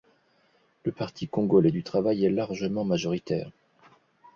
Le Parti congolais du travail est largement majoritaire.